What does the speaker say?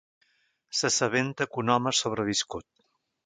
S'assabenta que un home ha sobreviscut.